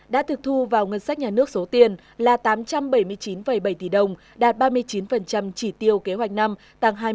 đã thực thu vào ngân sách nhà nước số tiền là tám trăm bảy mươi chín bảy tỷ đồng đạt ba mươi chín chỉ tiêu kế hoạch năm tăng hai mươi